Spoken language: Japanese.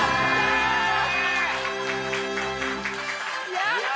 やったー！